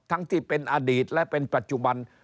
ที่เป็นอดีตและเป็นปัจจุบัน